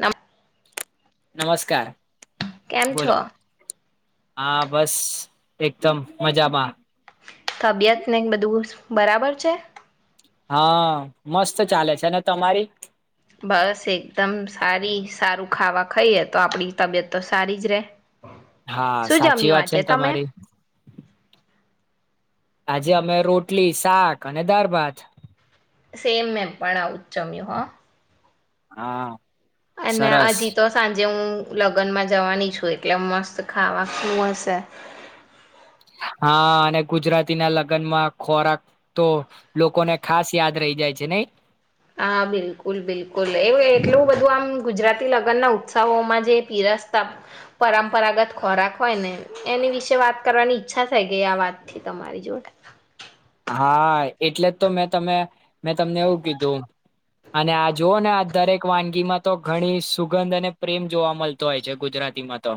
નામ નમસ્કાર કેમ બોલો છો હા બસ એકદમ મજામાં તબિયત ને બધું બરાબર છે હા મસ્ત ચાલે છે અને તમારી બસ એકદમ સારી સારું ખાવા ખાઈએ તો આપણી તબિયત તો સારી જ રે હા શું સાચી જમ્યું વાત છે આજે ને તમે તમારી આજે અમે રોટલી શાક અને દાર ભાત સેમ મેમ પણ આચમ્યું હ હા અને સરસ હજી તો સાંજ હ લગ્નમાં જવાની છું એટલે મસ્ત ખાવા શું હશે હા અને ગુજરાતી ના લગ્નમાં ખોરાક તો લોકોને ખાસ યાદ રહી જાય છે નને હા બિલકુલ બિલકુલ એવું એટલું બધું આમ ગુજરાતી લગ્નના ઉત્સવોમાં જે પીરસતા પરંપરાગત ખોરાક હોય ને એની વિશે વાત કરવાની ઈચ્છા થઈ ગઈ આ વાતથી તમારી જોડે હા એટલે જ તો મેં તમે મેં તમને એવું કીધું અને આ જોુવ ને આ દરેક વાનગીમાં તો ઘણી સુગંધ અને પ્રેમ જોવા મળતો હોય છે ગુજરાતીમાં તો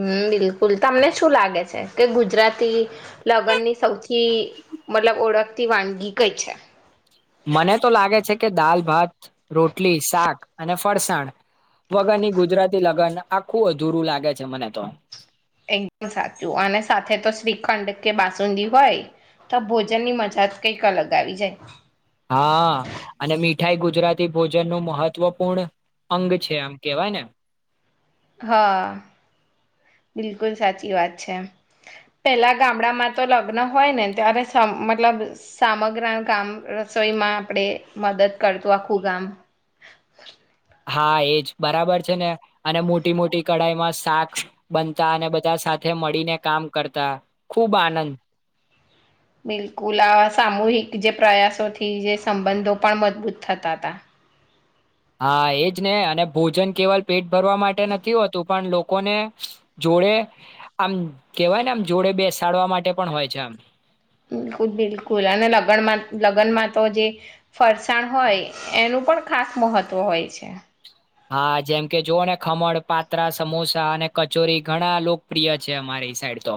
હમ બિલકુલ તમને શું લાગે છે કે ગુજરાતી લગ્નની સૌથી મતલબ ઓળખ વાનગી કઈ છે મને તો લાગે છે કે દાલ ભાત રોટલી શાક અને ફરસાણ વગરની ગુજરાતી લગ્ન આખું અધૂરું લાગે છે મને તો એકદમ સાચું અને સાથે તો શ્રીખંડ કે બાસુંદી હોય તો ભોજનની મજા કંઈક અલગ આવી જાય હા અને મીઠાઈ ગુજરાતી ભોજન નું મહત્વપૂર્ણ અંગ છે આમ કેવાય ને હા બિલકુલ સાચી વાત છે પેલા ગામડામાં તો લગ્ન હોય ને ત્યારે મતલબ સામગ્ર ગામ રસોઈમાં આપણેે મદદ કરતું આખું ગામ હા એજ બરાબર છે ને અને મોટી મોટી કઢાઈમાં શાક બનતા અને બધા સાથે મળીને કામ કરતા ખુબ આનંદ બિલકુલ આ સામૂહિક જે પ્રયાસોથી જે સંબંધો પણ મજબૂત થતા હતા હા એજ ને અને ભોજન કેવલ પેટ ભરવા માટે નથી હોતું પણ લોકોને જોડે આમ કેવાય ને આમ જોડે બેસાડવા માટે પણ હોય છે આમ બિલકુલ બિલકુલ અને લગનમાં લગ્નમાં તો જે ફરસાણ હોય એનું પણ ખાસ મહત્વ હોય છે હા જેમ કે જોવ ને ખમણ પાત્રા સમોસા અને કચોરી ઘણા લોકપ્રિય છે અમારી સાઈડ તો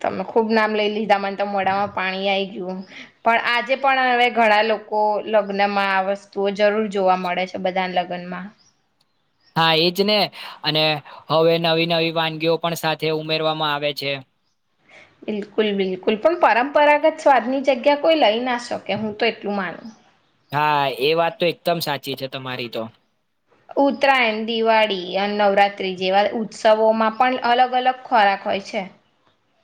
તમે ખુબ નામ લઈ લીધા મને તો મોડામાં પાણી આઈ ગયું પણ આજે પણ હવે ઘણા લોકો લગ્નમાં આ વસ્તુઓ જરૂર જોવા મળે છે બધા લગ્નમાં હા એજ ને અને હવે નવી નવી વાનગીઓ પણ સાથે ઉમેરવામાં આવે છે બિલકુલ બિલકુલ પણ પરંપરાગત સ્વાદની જગ્યા કોઈ લઈ ના શકે હું તો એટલું માનું હા એ વાત તો એકદમ સાચી છે તમારી તો યા નવરાત્રી જેવા ઉત્સવો માં પણ અલગ અલગ ખોરાક હોય છે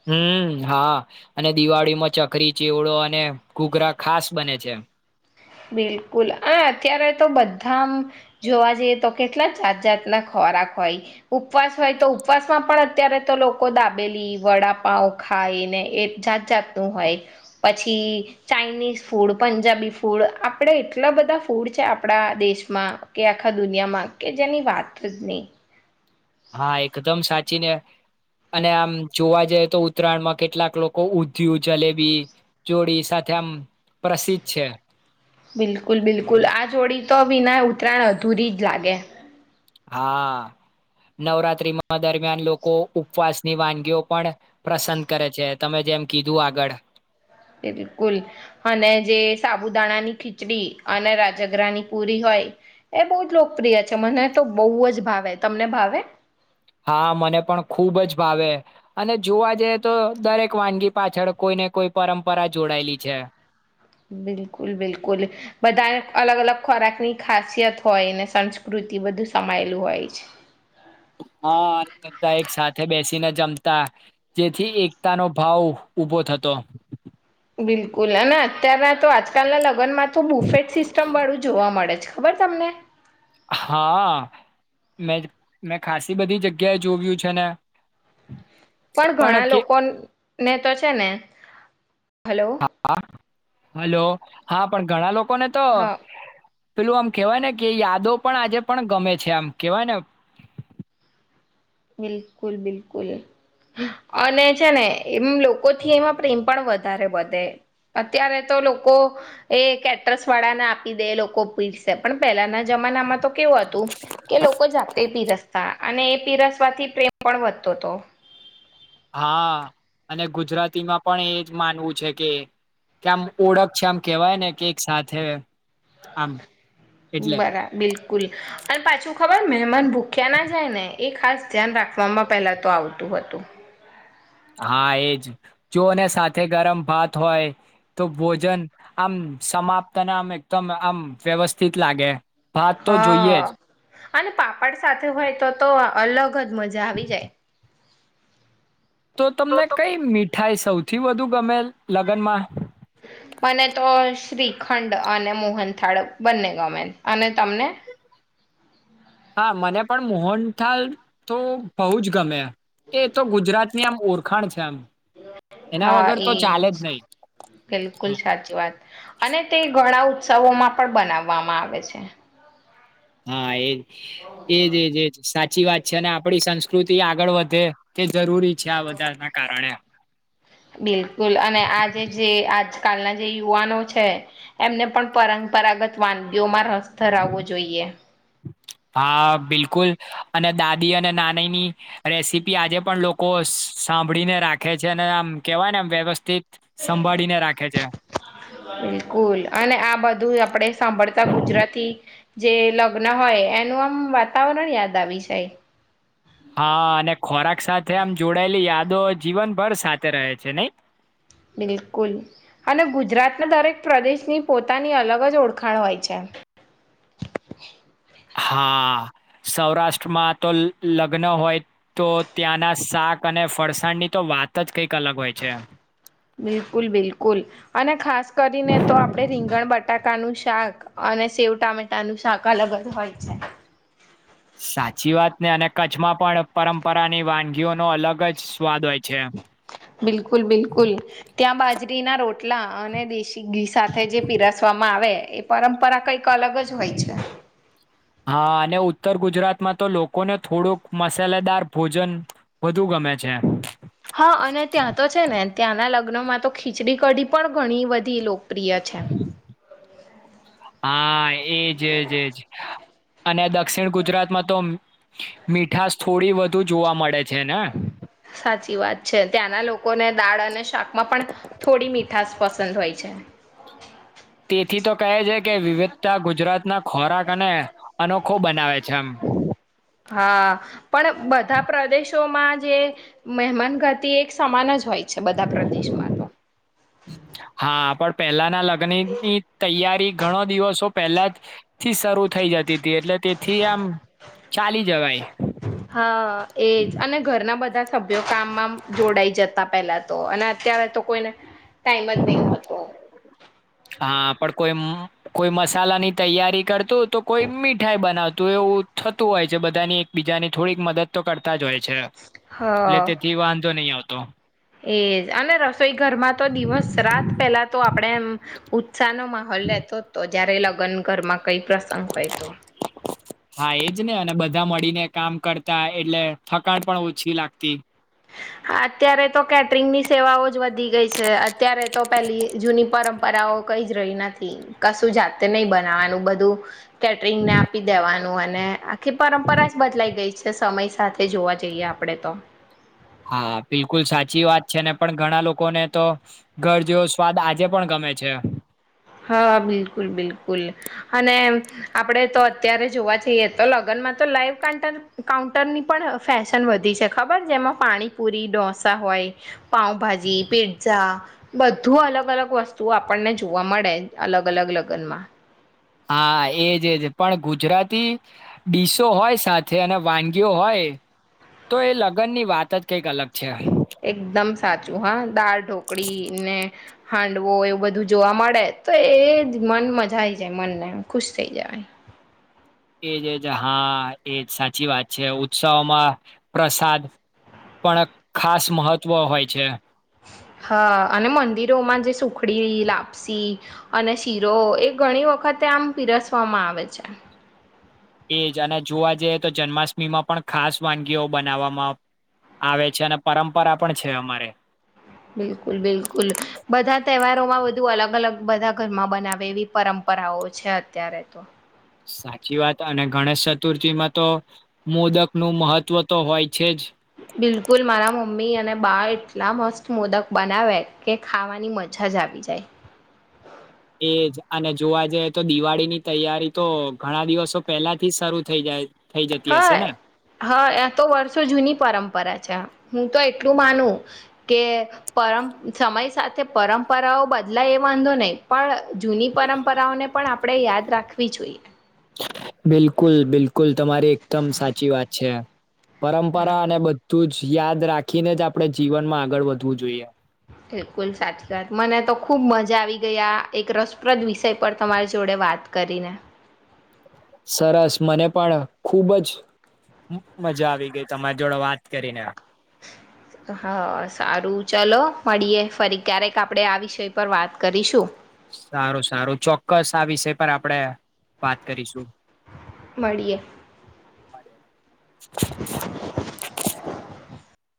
હમ હા અને દિવાળીમાં ચકરી ચીવડો અને ઘૂઘરા ખાસ બને છે બિલકુલ અને અત્યારે તો બધા જોવા જઈએ તો કેટલા જાત જાત ના ખોરાક હોય ઉપવાસ હોય તો ઉપવાસમાં પણ અત્યારે તો લોકો દાબેલી વડાપાઉ ખાય ને એ જાત જાતનું હોય પછી ચાાઈનીઝ ફૂડ પંજાબીૂડ ફૂડ આપણે એટલા બધા ફૂડ છે આપણા દેશમાં કે આખા દુનિયામાં કે જેની વાત જ નહીં હા એકદમ સાચીને અને આમ જોવા જઈએ તો ઉત્તરાયણમાં કેટલાક લોકો ઉધયુ જલેબી જોડી સાથે આમ પ્રસિદ્ધ છે બિલકુલ બિલકુલ આ જોડી તો વિના ઉતરાયણ અધૂરી જ લાગે હા નવરાત્રીમાં દરમિયાન લોકો ઉપવાસની વાનગીઓ પણ પ્રસંદ કરે છે તમે જેમ કીધું આગળ તે બિલકુલ અને જે સાબુદાણાની ખીચડી અને રાજઘ્રની પુરી હોય એ બહુ જ લોકપ્રિય છે મને તો બહુ જ ભાવે તમને ભાવે ભાવે હા મને પણ ખુબ જ ભાવે અને જોવા જઈએ તો દરેક વાનગી પાછળ કોઈને કોઈ પરંપરા જોડાયેલી છે બિલકુલ બિલકુલ બધાને અલગ અલગ ખોરાકની ખાસિયત હોય ને સંસ્કૃતિ બધું સમાયેલું હોય છે હા અને બધા એક સાથે બેસીને જમતા જેથી એકતાનો ભાવ ઉભો થતો બિલકુલ અને અત્યારના તો આજકાલના લગ્નમાં તો બુફેટ સિસ્ટમ વાળું જોવા મળે છે ખબર તમને હા આ મેજ મે મેં ખાસસી બધી જગ્યાએ જોયું છે ને પણ ઘણા લોકોન ને તો છે ને હલો અ આ હલો હા પણ ઘણા લોક કોને તો હા પેલું આમ કેહેવાય ને કે યાદો પણ આજે પણ ગમે છે આમ કેવાય ને બિલકુલ બિલકુલ અને છે ને એમ લોકોથી એમાં પ્રેમ પણ વધારે વધે અત્યારે તો લોકો એ કેટ્રસ વાળાને આપી દે લોકો પીરશે પણ પેલાના જમાનામાં તો કેવું હતું કે લોકો જાતે પીરસતા અને તિરસ માથી પ્રેમ પણ વધતો હતો હા અને ગુજરાતીમાં પણ એજ માનવું છે કે કે આમ ઓળખ છે આમ કેવાય ને કેકસાથે બરા બિલકુલ અને પાછું ખબર મહેમાન ભૂખ્યા ના જાય ને એ ખાસ ધ્યાન રાખવામાં પહેલાં તો આવતું હતું હા એજ જોને સાથે ગરમ ભાત હોય તો ભોજન આમ સમાપ્ત ના આમ એકદમ આમ વ્યવસ્થિત લાગે ભાત તો જોઈએ જ હા અને પાપડ સાથે હોય તો તો અલગ જ મજા આવી જાય તો તમને કઈ મીઠાઈ સૌથી વધુ ગમે લગનમાં મને તો શ્રીખંડ અને મોહન થાળ બંને ગમે અને તમને હા મને પણ મોહનથાલ તો બહુજ ગમે એ તો ગુજરાતની આમ ઓરખાણ છે આમ [inaudible] એના વગર તો ચાલે જ નહી ઉત્સવોમાં પણ બનાવવામાં આવે છે. હા એજ એજ એજજ સાચી વાત છે અને આપડી સંસ્કૃતિ આગળ વધે કે જરૂરી છે આ બધા ના કારણે કલના જે યુવાનો છે એમને પણ પરંપરાગત વાનગીઓમાં રસ ધરાવવો જોઈએ. હા બિલકુલ અને દાદી અને નાનીની રેસીપી આજે પણ લોકો સાંભળીને રાખે છે અને આમ કહેવાય ને આમ વ્યવસ્થિત સંભાળીને રાખે છે બિલકુલ અને આ બધું આપણે સાંભળતા ગુજરાતી જે લગ્ન હોય એનું આમ વાતાવરણ યાદ આવી જાય હા અને ખોરાક સાથે આમ જોડાયેલી યાદો જીવનભર સાથે રહે છે નહી બિલકુલ અને ગુજરાતના દરેક પ્રદેશની પોતાની અલગ જ ઓળખાણ હોય છે. હા સૌરાષ્ટ્રમાં તો લગ્ન હોય તો ત્યાંના શાક અને ફરસાણની તો વાત જ કંઈક અલગ હોય છે. બિલકુલ બિલકુલ અને ખાસ કરીને તો આપડે રીંગણ બટ બટાકાનું શાક અને સેવ ટામેટાનું શાક અલગ જ હોય છે. સાચી વાતને અને કચ્છમાં પણ પરંપરાની વાનગીઓનોો અલગ જ સ્વાદ હોય છે બિલકુલ બિલકુલ ત્યાં બાજરીના રોટલા અને દીશ ઘી સાથે જે પીરસવામાં આવે એ પરંપરા કઈક અલગ જ હોય છે. હા અને ઉત્તર ગુજરાતમાં તો લોકોને થોડુંક મસાલેદાર ભોજન વધુ ગમે છે. હા અને ત્યાં તો છે ને ત્યાંના લગ્નમાં તો ખીચડી કઢી પણ ઘણી બધી લો પ્રિય છે. હા એજજજ અને દ દક્ષિણ ગુજરાતમાં તો મીઠશ થોડી વધુ જોવા મળે છે ને સાચી વાત છે ત્યાંના લોકોને દાળ અને શાક માં પણ થોડી મીઠાશ પસંદ હોય છે. એથી ત કહે છે કે વિવિધતા ગુજરાતના ખોરાક અને અનોખો બનાવે છે એમ શો માં જે મેહમાન ગતિ એક સમાન જ હોય છે બધા પ્રદેશમાં તો હા પણ પહેલાના લગ્નની તૈયારી ઘણો દિવસો પહેલાથી શરૂ થઈ જતી હતી એટલે તેથી આમ ચાલી જવા એ. હા એજ અને ઘરના બધા સભ્યો કામમાં જોડાઈ જતા પેલા તો અને અત્યારે તો કોઈને ટાઈમ જ નહી હોતો. હા, પણ કોઈ કોઈ મસાલાની તૈયારી કર તો કોઈ મીઠાઈ બનાવ તો એવું થતું હોય છે બધાની એક બીજાની થોડીક મદદ તો કરતા જ હોય છે. હ એટલે તેથી વાંધો નહી આવતો. તો. એજ અને રસોઈ ઘરમાં તો દિવસ રાત પેલા તો આપણે એમ સાનો માહોલ રહેતો હતો. જય્યારે લગ્ન ઘરમાં કઈ પ્રસંગ હોય તો. હા એજ ને અને બધા મળીને કામ કરતા એટલે થકાણ પણ ઓછી લાગતી. હા અત્યારે તો કેટરિંગની સેવાઓ જ વધી ગઈ છે અત્યારે તો પેલી જૂની પરંપરાઓ કઈ જ રહી નથી કશું જાતે નહ બનાવાનું બધું કેટરિંગને આપી દેવાનું અને આખી પરંપરા જ બદલાઈ ગઈ છે. સમય સાથે જોવા જઈએ આપણે તો. હા બિલકુલ સાચી વાત છે ને પણ ઘણા લોકોને તો ઘર જેવો સ્વાદ આજે પણ ગમે છે. હા બિલકુલ બિલકુલ. અને આપડે તો અત્યારે જોવા જઈએ તો લગ્નમાં તો લાઈવ કા કાઉન્ટરની પણ ફેશન વધી છે, ખબર જેમાં પાણીપુરી ઢોસા હોય. પાઉભાજી પિર્ઝા બધું અલગ અલગ વસ્તુ આપણને જોવા મળે. અલગ અલગ લગનમાં. હા એજજ પણ ગુજરાતી ડીસો હોય સાથે અને વાનગીઓ હોય તો એ લગ્ન ની વાત જ કંઈક અલગ છે. એકદમ સાચું. હાલ દાળ ઢોકળી ને હાંડવો એવું બધું જોવા મળે તો એજ મન મજા આ આવી જાય મનને ખુશ થઈ જાય. એજ એજ હા એજ સાચી વાત છે ઉત્સવમાં પ્રસાદ પણ ખાસ મહત્વ હોય છે. હા અને મંદિરોમાં જે સુખડી લાપસી અને શીરો એ ઘણી વખતે આમ પીરસવામાં આવે છે. એજ અને જોવા જઈએ તો જન્માષ્ટમીમાં પણ ખાસ વાનગીઓ બનાવવામાં આવે છે અને પરંપરા પણ છે અમારે. બિલકુલ બિલકુલ બધા તહેવારોમાં બુ અલગ અલગ બધા ઘરમાં બનાવે એવી પરંપરાઓ છે અત્યારે તો. સાચી વાત અને ગણેશ ચતુર્થીમાં તો મોદક નું મહત્વ તો હોય. છે જ બિલકુલ મારા મમ્મી અને બાળ એટલા મસ્ત મોદક બનાવે કે ખાવાની મજા જ આવી જાય. એજ અને જોવા જઈએ તો દિવાળી ની તૈયારી તો ઘણા દિવસો પહેલા થી જ શરૂ થઈ જાય. થઈ જતી હા હશે ને હા આ તો વર્ષો જૂની પરંપરા છે. હું તો એટલું માનું કે પરમ સમય સાથે પરંપરાઓ બદલાય એ વાંધો નહીં પણ જૂની પરંપરાઓને પણ આપણે યાદ રાખવી જોઈએ. બિલકુલ બિલકુલ તમારી એકદમ સાચી વાત છે. હા પરંપરા અને બધું જ યાદ રાખીને જ આપળે જીવનમાં આગળ વધવું જોઈએ. બિલકુલ સાચી વાત. મને તો ખુબ મજા આવી ગઈ, આ એક રસપ્રદ વિષય પર તમારી જોડે વાત કરીને. સરસ મને પણ ખુબ જ મ મજા આવી ગઈ તમારી જોડે વાત કરીને. હા, સારું ચલો મળીએ ફરી ક્યારેક આપળે આ વિષય પર વાત કરીશું. સારું, સારું, ચોક્કસ આ વિષય પર આપડે વાત કરીશું. મળીએ [inaudible] [inaudible]